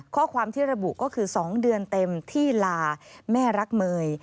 ข้อความที่ระบุก็คือ๒เดือนเต็มที่ลาแม่รักเมย์